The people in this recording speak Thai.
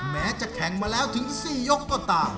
แม้จะแข่งมาแล้วถึง๔ยกก็ตาม